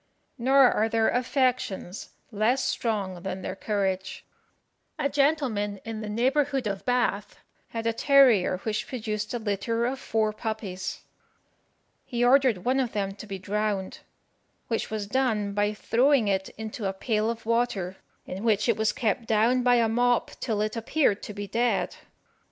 Nor are their affections less strong than their courage. A gentleman in the neighbourhood of Bath had a terrier which produced a litter of four puppies. He ordered one of them to be drowned, which was done by throwing it into a pail of water, in which it was kept down by a mop till it appeared to be dead.